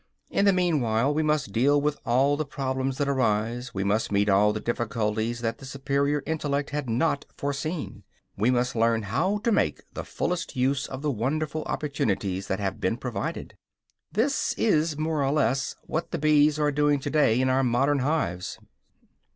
In the meanwhile we must deal with all the problems that arise, we must meet all the difficulties that the superior intellect had not foreseen; we must learn how to make the fullest use of the wonderful opportunities that have been provided. This is more or less what the bees are doing to day in our modern hives.